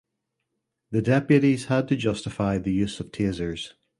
The deputies had to justify the use of Tasers.